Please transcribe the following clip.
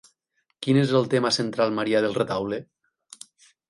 Quin és el tema central marià del retaule?